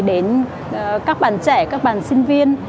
đến các bạn trẻ các bạn sinh viên